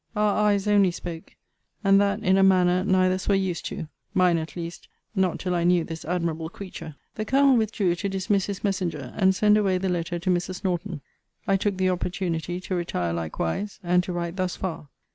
Our eyes only spoke; and that in a manner neither's were used to mine, at least, not till I knew this admirable creature. The Colonel withdrew to dismiss his messenger, and send away the letter to Mrs. Norton. I took the opportunity to retire likewise; and to write thus far.